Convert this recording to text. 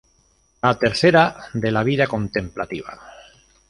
La tercera, de la vida contemplativa.